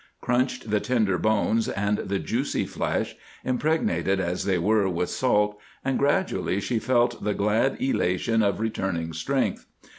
Crunched the tender bones and the juicy flesh, impregnated as they were with salt, and gradually she felt the glad elation of returning strength.